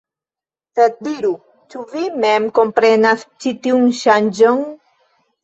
Sed diru, ĉu vi mem komprenas ĉi tiun ŝanĝon?